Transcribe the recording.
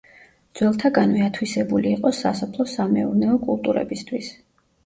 ძველთაგანვე ათვისებული იყო სასოფლო-სამეურნეო კულტურებისთვის.